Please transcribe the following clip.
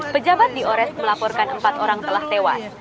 pejabat di ores melaporkan empat orang telah tewas